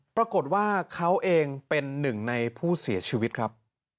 ปรากฏว่าเขาเองเป็นหนึ่งในผู้เสียชีวิตครับ